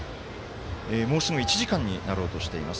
もうすぐ１時間になろうとしています。